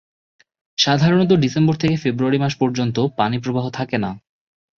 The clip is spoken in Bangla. সাধারণত ডিসেম্বর থেকে ফেব্রুয়ারি মাস পর্যন্ত পানিপ্রবাহ থাকে না।